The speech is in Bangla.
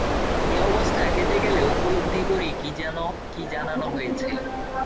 এ অবস্থা কেটে গেলে উপলব্ধি করি কি জানানো হয়েছে।